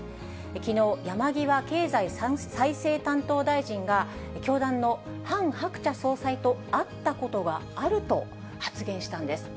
きのう、山際経済再生担当大臣が、教団のハン・ハクチャ総裁と会ったことはあると発言したんです。